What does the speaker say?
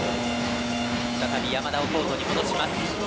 再び山田をコートに戻します。